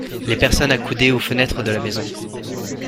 Les personnes accoudées aux fenêtres de la maison.